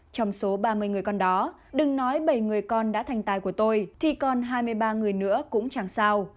trong số ba mươi người con đó đừng nói bảy người con đã thành tài của tôi thì còn hai mươi ba người nữa cũng chẳng sao